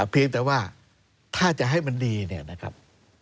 เพียงแต่ว่าถ้าจะให้มันดีเนี่ยนะครับ